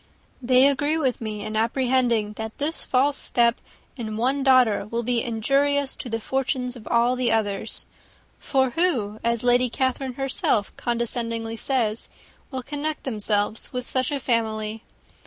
They agree with me in apprehending that this false step in one daughter will be injurious to the fortunes of all the others: for who, as Lady Catherine herself condescendingly says, will connect themselves with such a family?